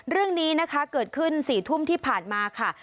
เรื่องนี้นะคะเกิดขึ้น๔ทุ่มที่ผ่านมาค่ะ